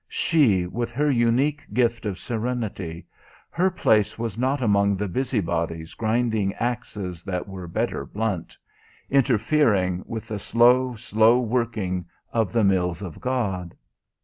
She, with her unique gift of serenity her place was not among the busybodies grinding axes that were better blunt; interfering with the slow, slow working of the Mills of God.